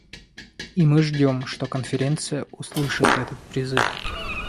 И мы ждем, что Конференция услышит этот призыв.